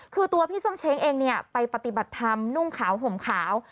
คือตัวพี่ส้มเช้งเองเนี่ยไปปฏิบัติธรรมนุ่งขาวห่มขาว